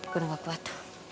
gue udah gak kuat